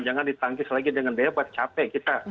jangan ditangkis lagi dengan debat capek kita